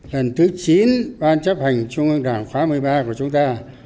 lần thứ chín ban chấp hành trung ương đảng khóa một mươi ba của chúng ta